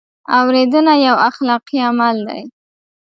اورېدنه یو اخلاقي عمل دی.